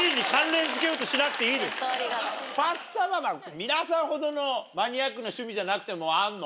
ファッサマ皆さんほどのマニアックな趣味じゃなくてもあんの？